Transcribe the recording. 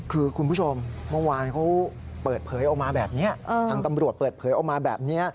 คือคุณผู้ชมเมื่อวานเขาเปิดเผยออกมาแบบนี้ทางตำรวจเปิดเผยออกมาแบบนี้